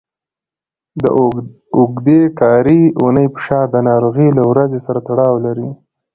د اوږدې کاري اونۍ فشار د ناروغۍ له ورځې سره تړاو لري.